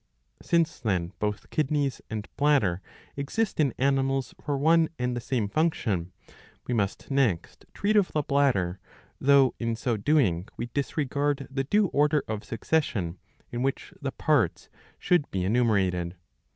^^ Since then both kidneys and bladder exist in animals for one and the same function, we must next treat of the bladder, though in so doing we disregard the due order of succession ^^ in which the parts should be enumerated.